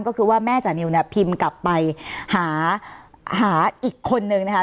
ก็คือว่าแม่จานิวเนี่ยพิมพ์กลับไปหาอีกคนนึงนะคะ